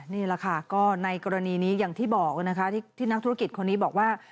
นี่แหละค่ะก็ในกรณีนี้อย่างที่บอกนะคะที่นักธุรกิจคนนี้บอกว่า